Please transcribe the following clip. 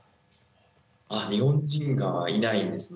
あっ日本人がいないんですね。